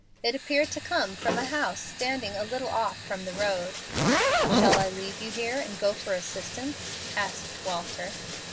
It appeared to come from a house standing a little off from the road. "Shall I leave you here and go for assistance?" asked Walter.